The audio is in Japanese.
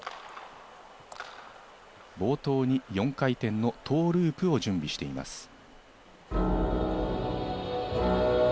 冒頭に４回転のトーループを準備しています。